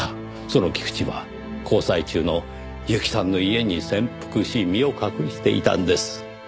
その菊池は交際中の由季さんの家に潜伏し身を隠していたんです。